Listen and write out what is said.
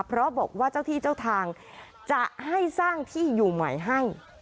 เพราะบอกว่าเจ้าที่เจ้าทางจะให้สร้างที่อยู่ใหม่ให้